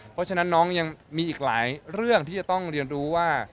เพราะฉะนั้นน้องยังมีอีกหลายเรื่องที่จะต้องเรียนรู้ว่า